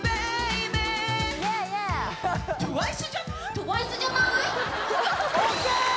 ＴＷＩＣＥじゃない？ＯＫ！